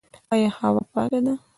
آیا هوا پاکه ده؟